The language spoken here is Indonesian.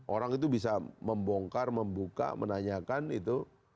orang itu bisa membongkar membuka menanyakan itu